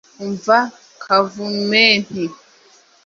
umva kavumenti,